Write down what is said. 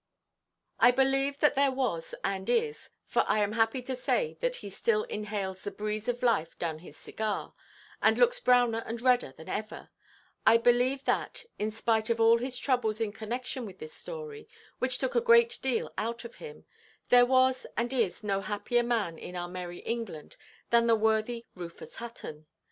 I believe that there was and is—for I am happy to say that he still inhales the breeze of life down his cigar, and looks browner and redder than ever—I believe that, in spite of all his troubles in connexion with this story, which took a good deal out of him, there was and is no happier man in our merry England than the worthy Rufus Hutton.